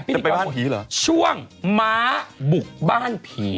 จะไปบ้านผีเหรอพี่ที่เพราะฉ่วงม้าบุกบ้านผี